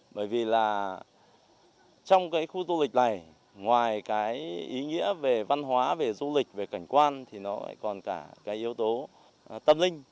bởi vì trong khu du lịch này ngoài ý nghĩa về văn hóa du lịch cảnh quan còn cả yếu tố tâm linh